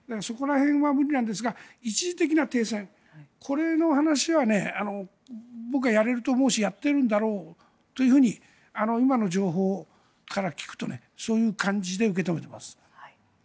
そこら辺は無理なんですが一時的な停戦、これの話は僕はやれると思うしやっているんだろうというふうに今の情報から聞くとそういう感じで受け止めています。